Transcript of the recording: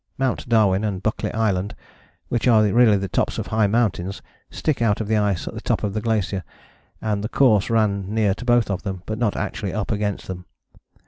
Mount Darwin and Buckley Island, which are really the tops of high mountains, stick out of the ice at the top of the glacier, and the course ran near to both of them, but not actually up against them.